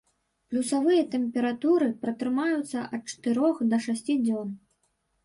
Плюсавыя тэмпературы пратрымаюцца ад чатырох да шасці дзён.